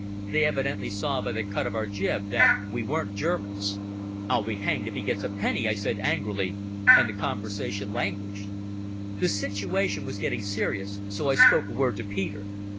They evidently saw by the cut of our jib that we weren't Germans. "I'll be hanged if he gets a penny," I said angrily, and the conversation languished. The situation was getting serious, so I spoke a word to Peter.